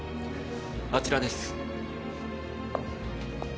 あちらです。